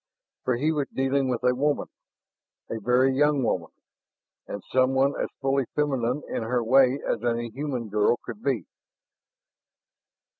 For he was dealing with a woman, a very young woman, and someone as fully feminine in her way as any human girl could be.